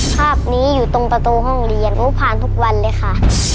ภาพนี้อยู่ตรงประตูห้องเรียนผ่านทุกวันเลยค่ะ